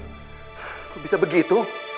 kok bisa begitu